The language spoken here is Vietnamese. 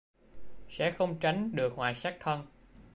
sẽ không tránh được họa sát thân